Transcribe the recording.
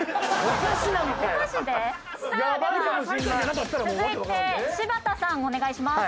さあでは続いて柴田さんお願いします。